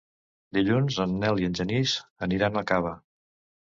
Dilluns en Nel i en Genís aniran a Cava.